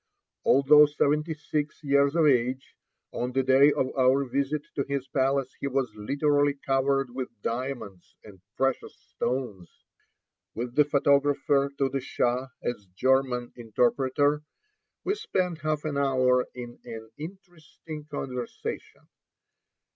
Although seventy six years of age, on the day of our visit to his palace he was literally covered with diamonds and precious stones. With the photographer to the Shah as German interpreter, we spent half an hour in an interesting conversation.